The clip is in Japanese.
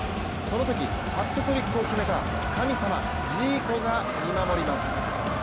そのときハットトリックを決めた神様ジーコが見守ります。